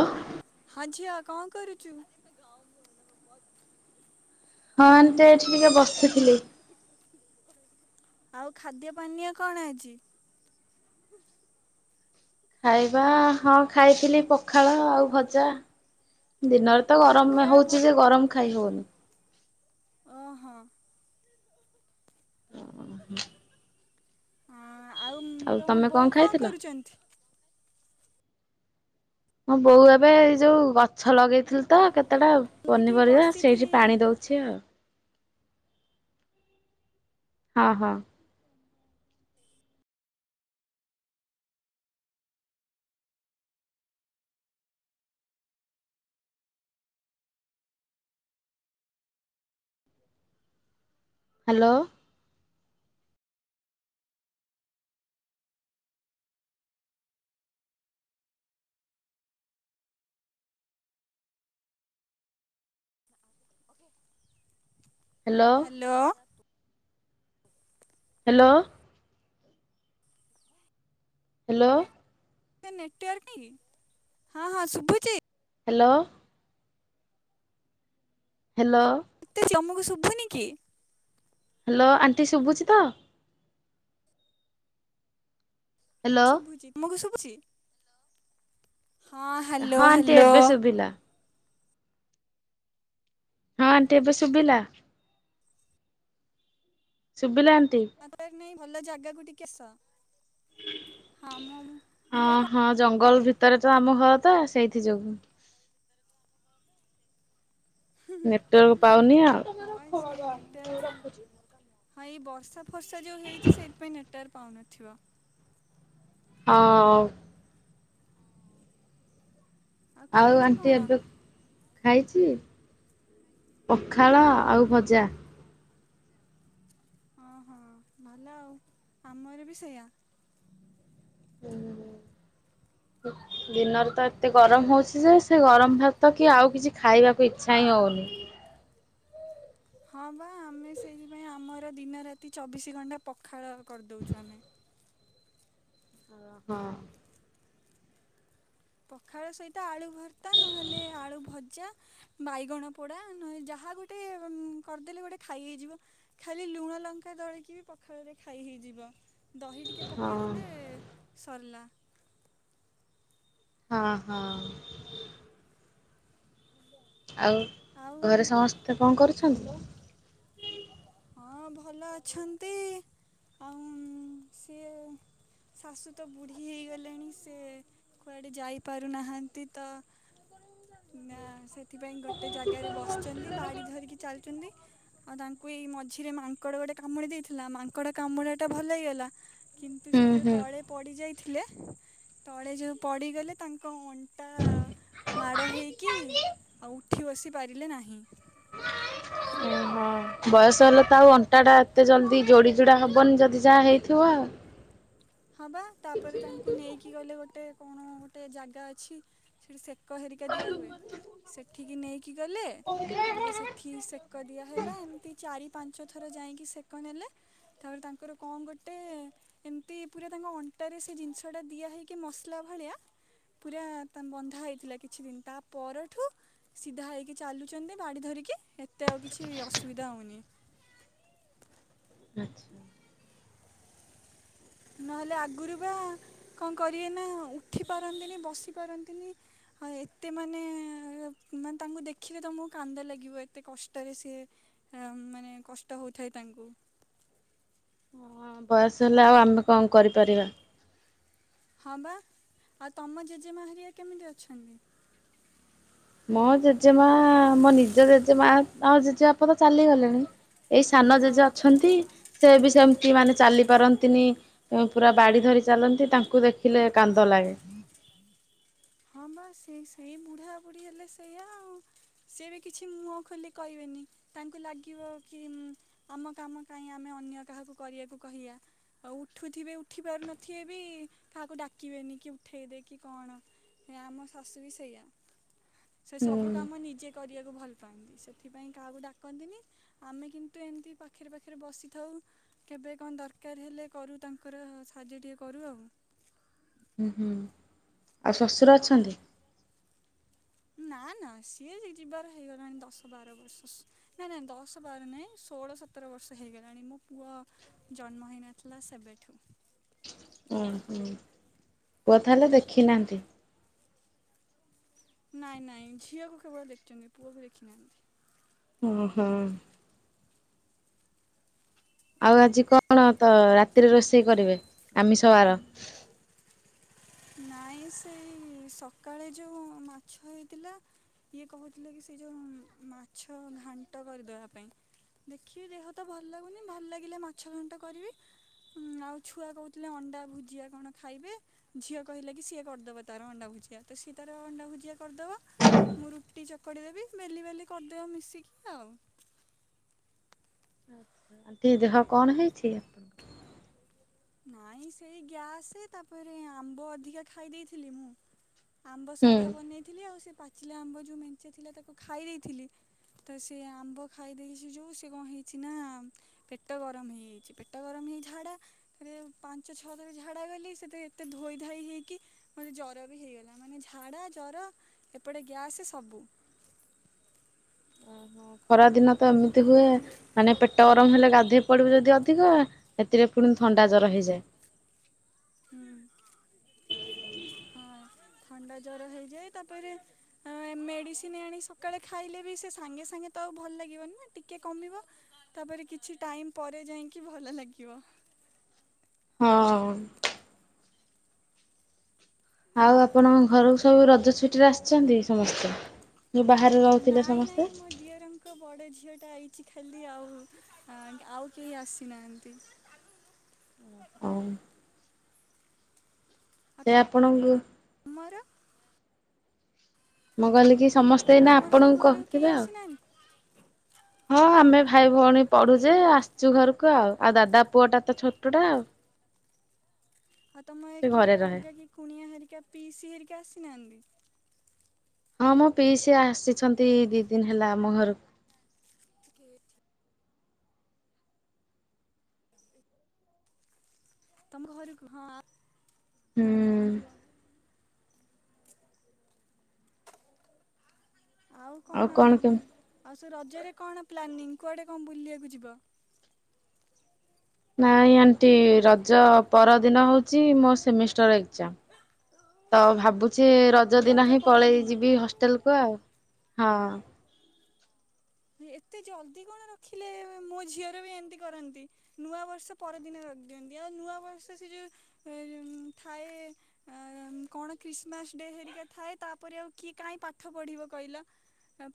ହ [inaudible] ହଁ ଝିଅ କଣ କରୁଛୁ? ହଁ ଆଣ୍ଟି ଅଚାନକ ସେ ଏଠି ମ ଟିକେ ଫ ବସିଥିଲି। [unintelligible] ଆଉ ଖାଦ୍ୟ ପାନୀୟ କଣ ହେଇଛି? ଖାଇବା ହଁ, ଖାଇଥିଲି ପଖାଳ ଆଉ ଭଜା। ଦିନରେ ତ ଗରମ ପଖାଳ ଭ ହଉଛି ଯେ ଆଉ ଗରମ ଖାଇ ହଉନି। ଓହୋ। [inaudible] ହଁ, ଆଉ ତମ ବୋଉ କଣ କରୁଛନ୍ତି? ମୋ ବୋଉ ଏବେ ଏଇ ଯୋଉ ଗଛ ଲଗେଇଥିଲି ତ କେତେଟା ଆଉ ମୁଁ ଏଇଠି ପନିପରିବା ବସିଥିଲି ସେଇଠି ପାଣି ଦଉଛି ଆଉ। ହଁ ହଁ। ହ୍ୟାଲୋ। ହ୍ୟାଲୋ। ହ୍ୟାଲୋ। ହ୍ୟାଲୋ। ଏ ନେଟୱାର୍କ କାହିଁ କି ହଁ ହଁ ଶୁଭୁଛିି। ହ୍ୟାଲୋ। ହ୍ୟାଲୋ। ଏତେ ଚମକୁ ଶୁଭୁନି କି? ହ୍ୟାଲୋ ଆଣ୍ଟି ଶୁଭୁଛିି ତ? ହ୍ୟାଲୋ ଶୁଭୁଛି ତମକୁ ଶୁଭୁଛି ହଁ ହଁ ହ୍ୟାଲୋ ଆଣ୍ଟି ହ୍ୟାଲୋ। ଏବେ ଶୁଭିଲା ହଁ ଆଣ୍ଟି ଏବେ ଶୁଭିଲା। ଶୁଭିଲା ଆଣ୍ଟି। ନେଟୱର୍କ ନାହିଁ ଭଲ ଜାଗାକୁ ଟିକେ ଆସ ହଁ ମୁଁ ମୁଁ ହଁ କ କ ହଁ ଜଙ୍ଗଲ ଭିତରେ ତ ଆମ ଘର ତ ସେଇଥି ଯୋଗୁ। ନେଟୱାର୍କ ପାଉନି ଆଉ। ହଁ ସିଏ ନେଟୱାର୍କ ହଁ ଏଇ ବର୍ଷା ଫର୍ଷା ଯୋଉ ହେଇଛି ସେଇଥିପାଇଁ ନେଟ ନେଟୱର୍କ ପାଉନଥିବ। ହଁ। ଆଉ ଖାଇଛ ଆଣ୍ଟି କଣ? ଏବେ ଖାଇଛି ପଖାଳ ହୁଁ ଆଉ ଭଜା। ହଁ ହଁ ଭଲ ଆଉ ଆମର ବି ସେଇଆ। ହୁଁ [unintelligible] ଦିନରେ ତ ଏତେ ଗରମ ହଉଛି ଯେ ସେ ଗରମ ଭାତ କି ଆଉ କିଛି ଖାଇବାକୁ ଇଚ୍ଛା ହିଁ ହଉନି। ହଁ ବା ଆମେ ସେଇଥିପାଇଁ ଆମର ଦିନ ରାତି ଚବିଶି ଘଣ୍ଟା ପଖାଳ କରିଦଉଛୁ ଆମେ। ଓହୋ। ପଖାଳ ସହିତ ଆଳୁ ଭର୍ତ୍ତା ନହେଲେ ଆଳୁ ଭଜା ବାଇଗଣ ପୋଡ଼ା ନ ଯାହା ଗୋଟେ କରିଦେଲେ ଗୋଟେ ଖାଇ ହେଇଯିବ। ଖାଲି ଲୁଣ ଲଙ୍କା ଦଳିକି ବି ପଖାଳରେ ଖାଇ ହେଇଯିବ। ଦହି ଟିକେ ହଁ ପକାଇଦେଲେ ସରିଲା। ହଁ ହଁ ଆଉ ଆଉ ଘରେ ସମସ୍ତେ କଅଁ କରୁଛନ୍ତି? ହଁ ଭଲ ଅଛନ୍ତି ଆଉ ସିଏ ଶାଶୁ ତ ବୁଢୀ ହେଇଗଲେଣି ସେ କୁଆଡେ ଯାଇପାରୁନାହାନ୍ତି ତ ମା ସେ ସେଥିପାଇଁ ଗୋଟେ ଜାଗାରେ ବସିଛନ୍ତି, ବାଡି ଧରିକି ଚାଲଛନ୍ତି- ଆଉ ତାଙ୍କୁ କୁ ଏଇ ମଝିରେ ମାଙ୍କଡ ଗୋଟେ କାମୁଡି ଦେଇଥିଲା, ମାଙ୍କଡ କାମୁଡା ଟା ଭଲ ହେଇଗଲା କିନ୍ତୁ, ସେ ଯୋଉ ହୁଁ ତଳେ ପଡି ଯାଇଥିଲେ -ତଳେ ଯୋଉ ପଡିଗଲେ ତାଙ୍କ ମୁଁ ଟା ମାଡ଼ ହେଇକି ଆଉ ଉଠି ବସି ପାରିଲେ ନାହିଁ। ମାଇଁ ସ୍କୁଲ ଦୁଁ। ହଁ ବୟସ ହେଲେ ତ, ଆଉ ଅଣ୍ଟା ଟା ଏତେ ଜଲ୍ଦି ଯୋଡି ଯୋଡା ହବନି ଯଦି ଯାହା ହେଇଥିବ ଆଉ। ହଁ ବା ତାପରେ ତାଙ୍କୁ ନେଇକି ଗଲେ ଗୋଟେ କଣ ଗୋଟେ ଜାଗା ଅଛି ସେଠି ସେ ସେକ ହେରିକା ଦିଆହୁଏ, ସେଠିକି ନେଇକି ଗଲେ ତାପରେ ସେଠି ସେ ସେକ ଦିଆ ହେଲା, ଏମିତି ଚାରି ପାଞ୍ଚ ଥର ଯାଇକି ସେକ ନେଲେ। ତାପରେ ତାଙ୍କର କଅଁ ଗୋଟେ, ଏମ ତି ପୁରା ତାଙ୍କ ଅଣ୍ଟାରେ ସେ ଜିନିଷଟା ଦିଆ ହେଇକି ମସଲା ଭଳିଆ। ପୁରା, ତା ବନ୍ଧା ହେଇଥିଲା କିଛି ଦିନ ତା ପରଠୁ ସିଧା ହେଇକି ଚାଲୁଛନ୍ତି ବାଡ଼ି ଧରିକି, ଏତେ ଆଉ କିଛି ଅସୁବିଧା ହଉନି। ଆଚ୍ଛା। ନହେଲେ ଆଗରୁ ବା -କଣ କରିବେ ନା ଉଠି ପାରନ୍ତିନି, ବସିପାରନ୍ତିନି। ହଁ, ଏତେ ମାନେ-ମାନେ ତାଙ୍କୁ ଦେଖିଲେ ତମୁକୁ କାନ୍ଦ ଲାଗିବ ଏତେ କଷ୍ଟରେ ସିଏ ହଁ, ମାନେ କଷ୍ଟ ହଉଥାଏ ତାଙ୍କୁ। ହଁ। ବୟସ ହେଲା ଆଉ ଆମେ କଣ କରିପାରିବା। ହଁବା, ଆଉ ତମ ଜେଜେମା ହାରିିଆ କେମିତି ଅଛନ୍ତି? ମୋ ଜେଜେମା ମୋ ନିଜ ଜେଜେମା ଆଉ ଜେଜେବାପା ତ ଚାଲିଗଲେଣି। ଏଇ ସାନ ଜେଜେ ହଁ ଅଛନ୍ତି, ସେ ବି ସେମ୍ତି ମାନେ ଚାଲିପାରନ୍ତିନି। [unintelligible] ପୁରା ବାଡି ଧରି ଚାଲନ୍ତି, ତାଙ୍କୁ ଦେଖିଲେ କାନ୍ଦ ଲାଗେ। ହଁ ବା ସେ ସେଇ ବୁଢ଼ା ବୁଢ଼ି ହେଲେ ସେଇଆ ଆଉ। ସିଏ ବି କିଛି ମୁହଁ ଖୋଲି କହିବେନି, ତାଙ୍କୁ ଲାଗିବ କି ଆମ କାମ କାଇଁ ଆମେ ଅନ୍ୟ କାହାକୁ କରିବାକୁ କହିଆ। ଆଉ ଉଠୁଥିବେ ଉଠି ପାରୁନଥିବେ ବି କାହାକୁ ଡାକିବେନି, କି ଉଠଇଦେ କି କଣ। ହେ ଆମ ଶାଶୁ ବି ସେଇଆ, ସେ ହୁଁ ସବୁ କାମ ନି କରିଆକୁ ଭଲ ପାଆନ୍ତି, ସେଥିପାଇଁ କାହାକୁ ଡାକନ୍ତିନି ତ ଆମେ କିନ୍ତୁ ଏମ୍ତି ପାଖେରେ-ପାଖେରେ ବସିଥାଉ କେବେ କଣ ଦରକାର୍ ହେଲେ, କରୁ ତାଙ୍କର ସାହାଯ୍ୟ ଟିକେ କରୁ ଆଉ। ହୁଁ-ହୁଁ, ଆଉ ଶଶୁର ଅଛନ୍ତି? ନାଁ-ନାଁ ସିଏ ଯି ଯିବାର ହେଇଗଲାଣି ଦଶ ବାର ବର୍ଷ। ନାଇଁ-ନାଇଁ ଦଶ ବାର ନାଇଁ ଷୋହଳ ସତର ବର୍ଷ ହେଇଗଲାଣି, ମୋ ପୁଅ ଜନ୍ମ ହେଇନଥିଲା ସେବେଠୁ। [unintelligible] ପୁଅ ତାହେଲେ ଦେଖିନାହାନ୍ତି? ନାଇଁ-ନାଇଁ ଝିଅକୁ କେବଳ ଦେଖିଚନ୍ତି, ପୁଅ କୁ ଦେଖିନାହାନ୍ତି। ଉଁହୁଁ। ଆଉ ଆଜି କଣ ତ ରାତିରେ ରୋଷେଇ କରିବେ ଆମିଷ ବାର? ନାଇଁ ସେଇ ସକାଳେ ଯୋଉ ମାଛ ହେଇଥିଲା ଇଏ କହୁଥିଲେ କି ସେ ଯୋଉ ମାଛ ଘାଣ୍ଟ କରିଦବା ପାଇଁ। ଦେଖିବି ଦେହ ତ ଭଲ୍ ଲାଗୁନି, ଭଲ ଲାଗିଲେ ମାଛ ଘାଣ୍ଟ କରିବି। ହୁଁ, ଆଉ ଛୁଆ କହୁଥିଲେ ଅଣ୍ଡା ଭୁଜିଆ କଣ ଖାଇବେ। ଝିଅ କହିଲା କି ସିଏ କରିଦବ ତାର ଅଣ୍ଡା ଭୁଜିଆ, ତ ସିଏ ତାର ଅଣ୍ଡା ଭୁଜିଆ କରିଦବ। ମୁଁ ରୁଟି ଚକଡ଼ି ଦେବି, ବେଲି ବାଲି କରିଦେବା ମିଶିକି ଆଉ। ଆଚ୍ଛା [unintelligible] [unintelligible] ଦେହ କଣ ହେଇଚି? ନାଇଁ ସେଇ ଗ୍ୟାସେ, ତାପରେ ଆମ୍ବ ଅଧିକା ଖାଇ ଦେଇଥିଲି ମୁଁ ଆମ୍ବ ହୁଁ। ସଢ଼ା ବନେଇଥିଲି, ଆଉ ସେ ପାଚିଲା ଆମ୍ବ ଯୋଉ ମେଞ୍ଚେ ଥିଲା ତାକୁ ଖାଇ ଦେଇଥିଲି ତ ସେ ଆମ୍ବ ଖାଇଦେଇଚି ଯୋଉ ସେ କଣ ହେଇଚି ନା ପେଟ ଗରମ୍ ହେଇଯାଇଚି, ପେଟ ଗରମ୍ ହେଇ ଝାଡା ରେ ପାଞ୍ଚ ଛଅ ଥର ଝାଡ଼ା ଗଲି ସେଥିରେ ଏତେ ଧୋଇଧାଇ ହେଇକି ମୋତେ ଜର ବି ହେଇଗଲା, ମାନେ ଝାଡା ଜର ଏପଟେ ଗ୍ୟାସେ ସବୁ। ଖରାଦିନ ତ ଏମିତି ହୁଏ ମାନେ ପେଟ ଗରମ୍ ହେଲେ ଗାଧୋଇ ପଡିବୁ ଯଦି ଅଧିକ ସେଥିରେ ପୁଣି ଥଣ୍ଡା ଜର ହେଇଯାଏ। ହୁଁ ହଁ ଥଣ୍ଡା ଜର ହେଇଯାଏ ତାପରେ ମେଡିସିନି ଆଣି ସକାଳେ ଖାଇଲେ ବି ସେ ସାଙ୍ଗେ-ସାଙ୍ଗେ ତ ଆଉ ଭଲ ଲାଗିବନି ନା, ଟିକେ କମିବ ତାପରେ କିଛି ଟାଇମ୍ ପରେ ଯାଇଁକି ଭଲ ଲାଗିବ। ହଁ। ଆଉ ଆପଣଙ୍କ ଘରୁକୁ ସବୁ ରଜ ଛୁଟିରେ ଆସିଚନ୍ତି ସମସ୍ତେ? ଯଉ ବାହାରେ ରହୁଥିଲେ ନାଇଁ ନାଇଁ ସମସ୍ତେ। ମୋ ଦିଅରଙ୍କ ଙ୍କ ବଡ଼ ଝିଅଟା ଆଇଛି ଖାଲି ଆଉ ଆଉ କେହି ଆସିନାହାନ୍ତି। ହଉ ସେ ଆପଣଙ୍କୁ ଆମର ମୁଁ କହିଲି କି ସମସ୍ତେ ଏଇନା ତମର ସବୁ ଆପଣଙ୍କୁ ଘରକୁ କେହି କହୁଥିବେ ଆଉ ଆସିନାହାନ୍ତି ହଁ ଆମେ ଭାଇ ଭଉଣୀ ପଢୁଯେ ଆ ଚୁ ଘରକୁ ଆଉ ଆଉ ଦାଦା ପୁଅଟା ତ ଛୋଟଟା ଆଉ। ଆଉ ତମ ସେ ଘରେ କିଏ ରହେ ଅଲଗା କିଏ କୁଣିଆ ହେରିକା ପିଇସି ହେରିକା ଆସିନାହାନ୍ତି? ହଁ ମୋ ପିଇସି ଆସିଛନ୍ତି ଦି ଦିନ ହେଲା ଆମ ଘରକୁ। [unintelligible] ତମକୁ ଘରୁ ହଁଅଁ ହୁଁଉଁ ଆଉ କଣ ଆଉ ସେ ରଜରେ କଣ ପ୍ଲାନିଂ କୁଆଡ଼େ କଣ ବୁଲିବାକୁ ଯିବ? ନାଇଁ ଆଣ୍ଟି ରଜ ପର ଦିନ ହଉଛି ମୋ ସେମିଷ୍ଟାର ଏକ୍ଜାମ୍। ତ ଭାବୁଛି ରଜ ଦିନହିିଁ ପଳେଇ ଯିବି ହଷ୍ଟେଲକୁ ଆଉ ହଁ। ଏତେ ଜଲଦି କଣ ରଖିଲେ ମୋ ଝିଅର ବି ଏମିତି କରନ୍ତି? ନୂଆ ବର୍ଷ ପରଦିନ ରଖିଦିଅନ୍ତି ଆଉ ନୂଆବର୍ଷ ସେ ଯଉ ଯଉ ଥାଏ କଣ ଖ୍ରୀିସମାସ ଡେ ହେରିକା ଥାଏ ତାପରେ ଆଉ କିଏ କାହିଁ ପାଠ ପଢିବ କହିଲ?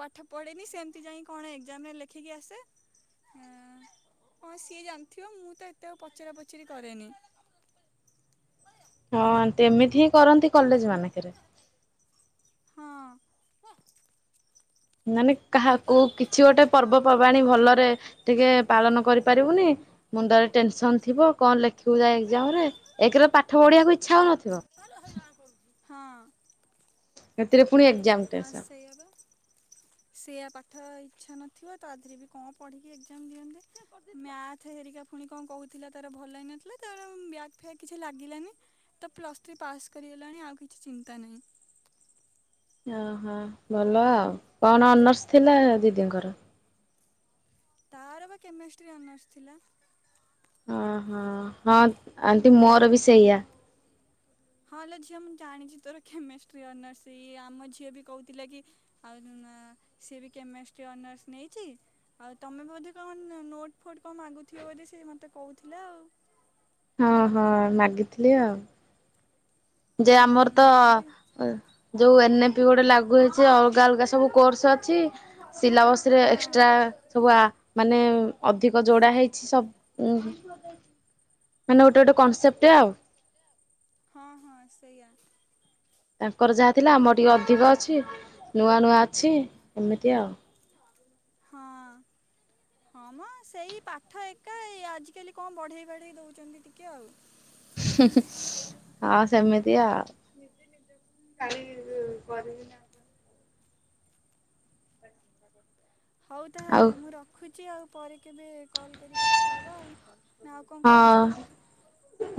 ପାଠ ପଢେନି ସେମିତି ଯାଇ କଣ ଏକ୍ଜାମରେ ଲେଖିକି ଆସେ ହୁଁ ହଁ ସିଏ ଜାଣିଥିବ ମୁଁ ତ ଏତେ ଆଉ ପଚରା ପଚରି କରେନି। ହଁ ଆଣ୍ଟି ଏମିତି ହିଁ କରନ୍ତି କଲେଜମାନଙ୍କରେ। ହଁ ମାନେ କାହାକୁ କିଛି ଗୋଟେ ପର୍ବପର୍ବାଣୀ ଭଲରେ ଟିକେ ପାଳନ କରିପାରିବୁନି? ମୁଣ୍ଡରେ ଟେନସନ ଥିବ କଣ ଲେଖିବୁ ଯାଇ ଏକ୍ଜାମରେ ଏକରେ ପାଠ ପଢିବାକୁ ଇଚ୍ଛା ହଉନଥିବ? ଭଲ ହଇରାଣ କରୁଛି ହଁ। ସେଥିରେ ପୁଣି ଏକ୍ଜାମ ଟେନସନ୍। ସେଇଆ ପା। [unintelligible] ସେଇଆ ପାଠ ଇଚ୍ଛା ନଥିବ ତା ଦେହରେ ବି କଣ ପଢ଼ିକି ଏକ୍ଜାମ ଦିଅନ୍ତି ମ୍ୟାଥ ହେରିକା ପୁଣି କଣ କହୁଥିଲା ତାର ଭଲ ହେଇନଥିଲା ତାର ବ୍ୟାଗ୍ ଫ୍ୟାଗ୍ କିଛି ଲାଗିଲାନି? ତ ପ୍ଲସ୍ ଥ୍ରୀ ପାସ୍ କରିଗଲାଣି ଆଉ କିଛି ଚିନ୍ତା ନାହିଁ। ଅ ହଭଲ ଆଉ କଣ ଅନର୍ସ ଥିଲା ଦିଦିଙ୍କର? ତାର ବା କେମେଷ୍ଟ୍ରିରେ ଅନର୍ସ ଥିଲା। ଅ ହହଁ ଆଣ୍ଟି ମୋର ବି ସେଇଆ। ହଁ ଲୋ ଝିଅ ମୁଁ ଜାଣିଛି ତୋର କେମିଷ୍ଟ୍ରି ଅନର୍ସ ଇ ଆମ ଝିଅ ବି କହୁଥିଲା କି ଆଉ ସିଏ ବି କେମେଷ୍ଟ୍ରି ଅନର୍ସ ନେଇଛି। ଆଉ ତମେ ବୋଧେ କଣ ନୋଟ୍ ଫୋଟ୍ କଣ ମାଗୁଥିବ ବୋଲି ସେ ମୋତେ କହୁଥିଲା ଆଉ? ହଁ-ହଁ ମାଗିଥିଲି ଆଉ। ଯେ ଆମର ତ ହୁଁ ଆଉ ଯୋଉ ଏନେ ପି ଗୋଡେ ଲାଗୁ ହେଇଚି ଅଲ୍ଗା-ଅଲ୍ଗା ସବୁ। କୋର୍ସ୍ ଅଛି ସିଲାବସ୍ ରେ ହଁ ଏକ୍ସଟ୍ରା। ସବୁ ଆ ମାନେ ଅଧିକ ଯୋଡା ହେଇଛି ସବ। ମାନେ ଗୋଟ-ଗୋଟେ କଂସେପ୍ଟ୍ ଆଉ। ହଁ-ହଁ ସେଇଆ। ତାଙ୍କର ଯାହା ଥିଲା ଆମର ଟିକେ ଅଧିକ ଅଛି ନୂଆ-ନୂଆ ଅଛି ଏମିତି ଆଉ। ହଁ। ହଁ ମ ସେଇ ପାଠ ଏକା ଏଆଜିକାଲି କଁ ବଢ଼େଇ ବାଢ଼େଇ ଦେଉଚନ୍ତି ଟିକେ ଆଉ। ହୁଁ-ହୁଁ ହଁ ସେମିତି ଆଉ। [unintelligible] ହଉ ଆଉ ତାହେଲେ ମୁଁ ରଖୁଚି ଆଉ ପରେ କେବେ କଲ୍ କରି କଥା ହବା ଆଉ ନାଆଉ କଁ ହଁ। କଉଚ?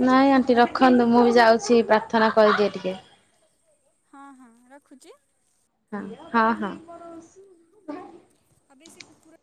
ନାଇଁ ଆଣ୍ଟି ରଖନ୍ତୁ ମୁଁବି ଯାଉଚି ପ୍ରାର୍ଥନା କରିଦିଏ ଟିକିଏ। ହଁ-ହଁ ରଖୁଚି। ହ ହଁ-ହଁ। ଆବେ ସେ କୁକୁର